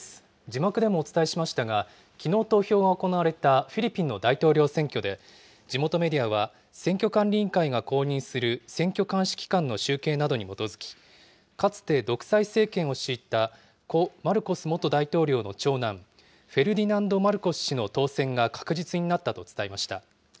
字幕でもお伝えしましたが、きのう投票が行われたフィリピンの大統領選挙で、地元メディアは、選挙管理委員会が公認する選挙監視機関の集計などに基づき、かつて独裁政権を敷いた故・マルコス元大統領の長男、フェルディナンド・マルコス氏の当選が確実になったと伝えました。